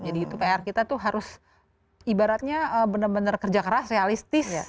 jadi itu pr kita tuh harus ibaratnya benar benar kerja keras realistis